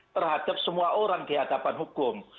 terhadap semua orang di hadapan hukum